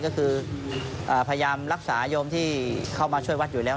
ก็คือพยายามรักษาโยมที่เข้ามาช่วยวัดอยู่แล้ว